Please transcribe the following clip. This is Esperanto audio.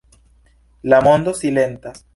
La mondo silentas.